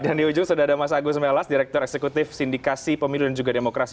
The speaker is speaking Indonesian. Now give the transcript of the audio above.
dan di ujung sudah ada mas agus melas direktur eksekutif sindikasi pemilu dan juga demokrasi